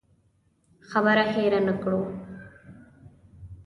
خبره هېره نه کړو.